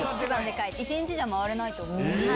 一日じゃ回れないと思う。